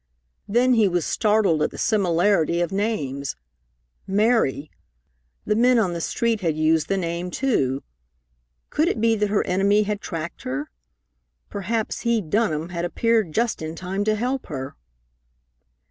Then he was startled at the similarity of names. Mary! The men on the street had used the name, too! Could it be that her enemy had tracked her? Perhaps he, Dunham, had appeared just in time to help her!